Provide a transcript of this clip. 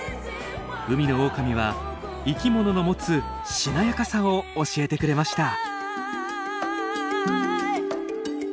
海のオオカミは生きものの持つしなやかさを教えてくれました。